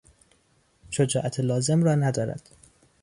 شجاعت لازم را ندارد.